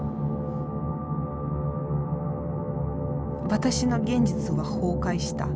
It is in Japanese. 私の現実は崩壊した。